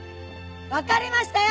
わかりましたよ！